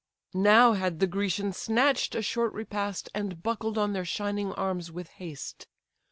Now had the Grecians snatch'd a short repast, And buckled on their shining arms with haste.